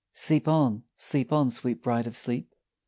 Sleep on, sleep on, sweet bride of sleep!